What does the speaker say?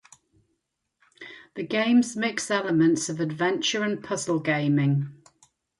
The games mix elements of adventure and puzzle gaming.